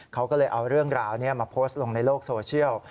เขาก็เลยเอาเรื่องราวนี้มาโพสต์ลงในโลกโซเชียล